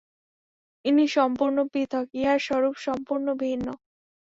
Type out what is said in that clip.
ইনি সম্পূর্ণ পৃথক্, ইঁহার স্বরূপ সম্পূর্ণ ভিন্ন।